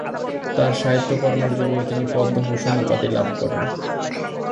তার সাহিত্যকর্মের জন্য তিনি পদ্মভূষণ উপাধি লাভ করেন।